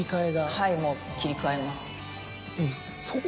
はいもう切り替えます。